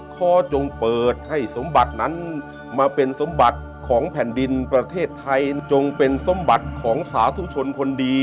ขอจงเปิดให้สมบัตินั้นมาเป็นสมบัติของแผ่นดินประเทศไทยจงเป็นสมบัติของสาธุชนคนดี